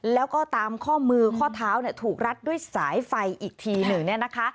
แล้วก็ตามข้อมือข้อเท้าถูกรัดด้วยสายไฟอีกทีหนึ่งเนี่ยนะคะ